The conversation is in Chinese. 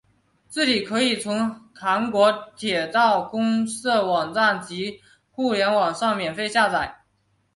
字体可以从韩国铁道公社网站及互联网上免费下载。